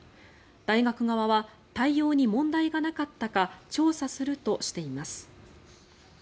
大学側は対応に問題がなかったか調査するとしています。